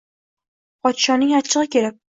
Podshoning achchig‘i kelib